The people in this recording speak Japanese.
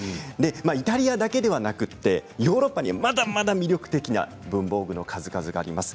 イタリアだけではなくてヨーロッパにはまだまだ魅力的な文房具の数々があります。